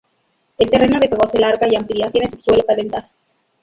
El terreno de juego se larga y amplia, tiene sub-suelo calentar.